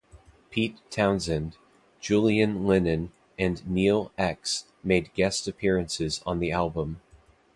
Pete Townshend, Julian Lennon and Neal X made guest appearances on the album.